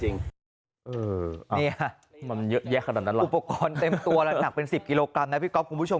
นี่ค่ะอุปกรณ์เต็มตัวหนักเป็น๑๐กิโลกรัมนะพี่ก๊อบคุณผู้ชม